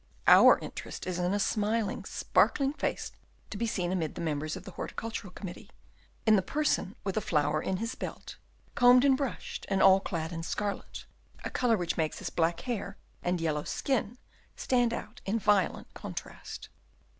Our interest is in a smiling, sparkling face to be seen amid the members of the Horticultural Committee; in the person with a flower in his belt, combed and brushed, and all clad in scarlet, a colour which makes his black hair and yellow skin stand out in violent contrast.